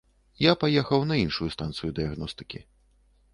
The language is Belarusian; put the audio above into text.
Я паехаў на іншую станцыю дыягностыкі.